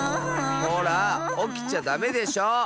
ほらおきちゃダメでしょ！